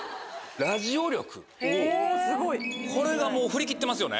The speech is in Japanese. これがもう振り切ってますよね。